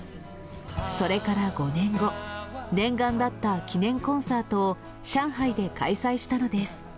それから５年後、念願だった記念コンサートを上海で開催したのです。